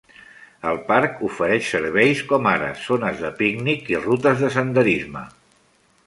El parc ofereix serveis com ara zones de pícnic i rutes de senderisme.